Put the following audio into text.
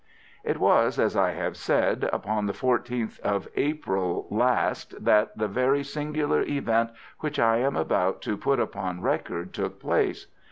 It was, as I have said, upon the 14th of April last that the very singular event which I am about to put upon record took place.